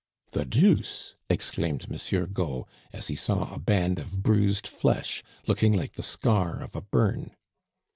"The deuce!" exclaimed Monsieur Gault, as he saw a band of bruised flesh, looking like the scar of a burn.